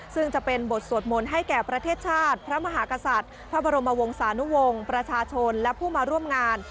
ซึ่งจะเป็นบทสวดมนต์ให้แก่ประเทศชาติพระมหากษัตริย์พระบรมวงศานุวงศ์ประชาชนและผู้มาร่วมงาน